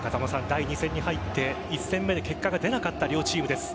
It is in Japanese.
第２戦に入って１戦目で結果が出なかった両チームです。